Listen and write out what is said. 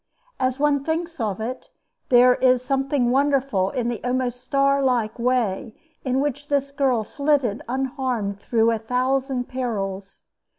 As one thinks of it, there is something wonderful in the almost star like way in which this girl flitted unharmed through a thousand perils.